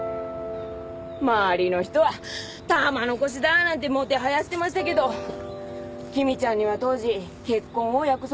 周りの人は玉の輿だなんてもてはやしてましたけど君ちゃんには当時結婚を約束した恋人がおったんです。